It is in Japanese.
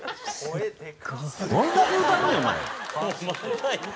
どんだけ歌うねんお前。